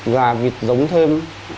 gà vịt giống thêm